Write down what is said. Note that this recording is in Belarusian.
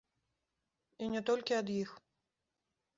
І не толькі ад іх.